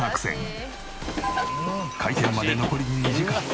開店まで残り２時間。